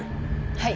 はい。